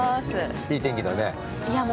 いい天気だね。